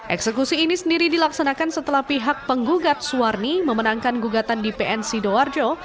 eksekusi ini sendiri dilaksanakan setelah pihak penggugat suwarni memenangkan gugatan di pn sidoarjo